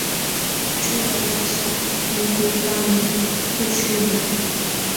Ćhulalaqśhqa mikuykaqmi puśhuqñaq.